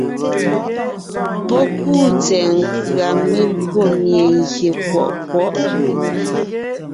Pɔ́ kúu tsɛ̀ɛ nkʉ̀a megÿò mie gyè kwɔʼ kwɔ̌ʼ.